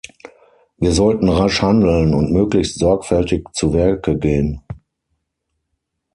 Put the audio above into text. Wir sollten rasch handeln und möglichst sorgfältig zu Werke gehen.